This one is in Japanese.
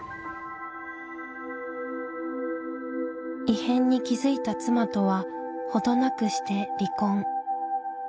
異変に気付いた妻とは程なくして離婚。